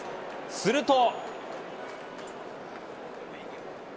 すると。